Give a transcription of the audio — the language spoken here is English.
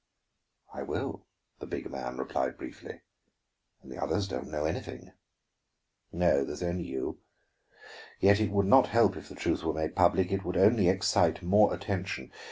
"I will," the big man replied briefly. "And the others don't know anything." "No; there is only you. You it would not help if the truth were made public; it would only excite more attention.